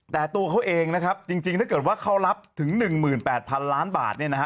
แต่ตัวเขาเองนะครับจริงถ้าเกิดว่าเขารับถึง๑๘๐๐๐ล้านบาทเนี่ยนะฮะ